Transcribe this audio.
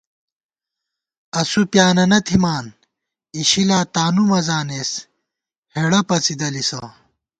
اسُو پیانَنہ تھِمان، اِشِلا تانُو مَزانېس ہېڑہ پڅِی دَلِسہ